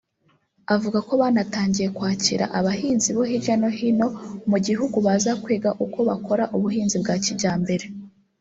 Avuga ko banatangiye kwakira abahinzi bo hirya no hino mu gihugu baza kwiga uko bakora ubuhinzi bwa kijyambere